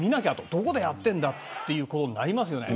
どこでやっているんだということになりますよね。